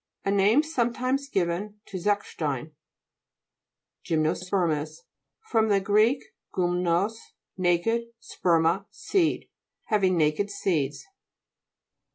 A name sometimes given to zechstein (p. 49). GYMNOSPE'RMOUS fr. gr. gurnnos, naked, sperma, seed. Having naked seeds.